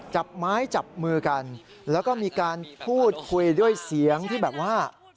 จับไม้จับมือกันแล้วก็มีการพูดคุยด้วยเสียงที่แบบว่า